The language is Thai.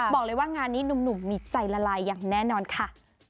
บอกเลยว่างานนี้หนุ่มมีใจละลายอย่างแน่นอนค่ะ